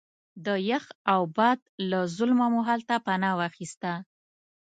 د یخ او باد له ظلمه مو هلته پناه واخسته.